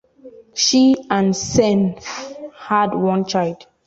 She and Senff had one child.